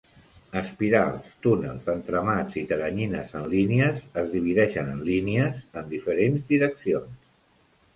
Espirals, túnels, entramats i teranyines en línies es divideixen en línies en diferents direccions.